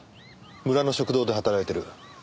村の食堂で働いている。